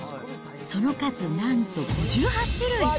その数なんと５８種類。